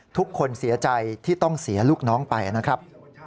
ทุกคนเสียใจที่ต้องเสียลูกน้องไปนะครับ